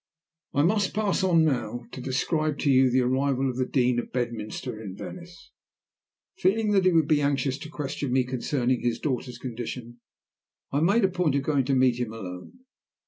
I must pass on now to describe to you the arrival of the Dean of Bedminster in Venice. Feeling that he would be anxious to question me concerning his daughter's condition, I made a point of going to meet him alone.